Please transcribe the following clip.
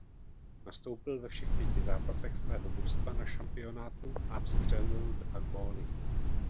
Nastoupil ve všech pěti zápasech svého mužstva na šampionátu a vstřelil dva góly.